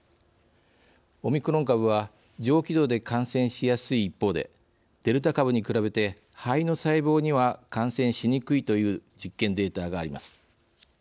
オミクロン株は上気道で感染しやすい一方でデルタ株に比べて肺の細胞には感染しにくいという実験データがあります。